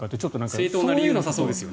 正当な理由なさそうですよね。